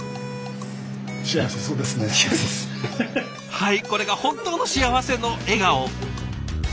はいこれが本当の幸せの笑顔。